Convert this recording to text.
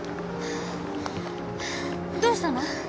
どうしたの？